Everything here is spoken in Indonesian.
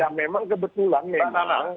ya memang kebetulan memang